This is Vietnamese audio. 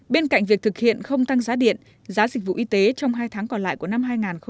bên cạnh việc thực hiện không tăng giá điện giá dịch vụ y tế trong hai tháng còn lại của năm hai nghìn hai mươi